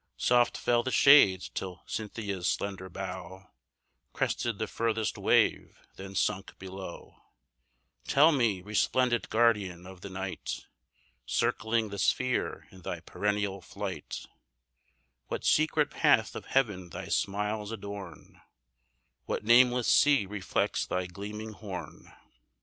Soft fell the shades, till Cynthia's slender bow Crested the furthest wave, then sunk below: "Tell me, resplendent guardian of the night, Circling the sphere in thy perennial flight, What secret path of heaven thy smiles adorn, What nameless sea reflects thy gleaming horn?"